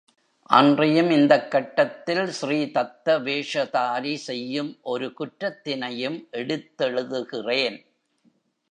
அன்றியும் இந்தக் கட்டத்தில், ஸ்ரீதத்த வேஷதாரி செய்யும் ஒரு குற்றத்தினையும் எடுத்தெழுதுகிறேன்.